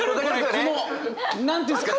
この何て言うんですか？